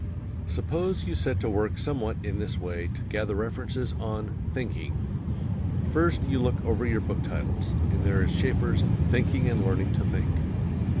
Suppose you set to work somewhat in this way to gather references on "Thinking:" First you look over your book titles, and there is Schaeffer's "Thinking and Learning to Think."